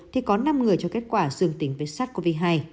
thì có năm người cho kết quả dương tính với sars cov hai